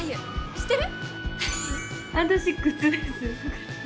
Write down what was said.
知ってる？